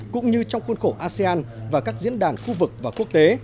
cũng như trong khuôn khổ asean và các diễn đàn khu vực và quốc tế